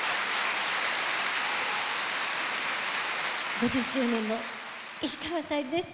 ５０周年の石川さゆりです。